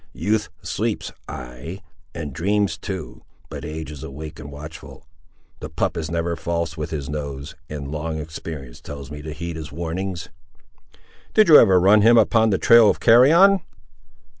—"Youth sleeps, ay, and dreams too; but age is awake and watchful. The pup is never false with his nose, and long experience tells me to heed his warnings." "Did you ever run him upon the trail of carrion?"